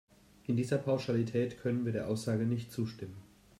In dieser Pauschalität können wir der Aussage nicht zustimmen.